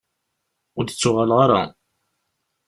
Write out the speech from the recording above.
Ur d-ttuɣaleɣ ara.